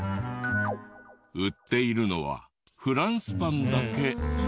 売っているのはフランスパンだけ。